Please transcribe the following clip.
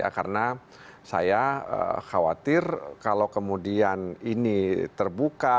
karena saya khawatir kalau kemudian ini terbuka